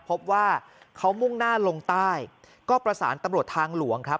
พบว่าเขามุ่งหน้าลงใต้ก็ประสานตำรวจทางหลวงครับ